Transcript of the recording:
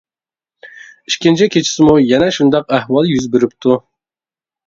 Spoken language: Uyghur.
ئىككىنچى كېچىسىمۇ يەنە شۇنداق ئەھۋال يۈز بېرىپتۇ.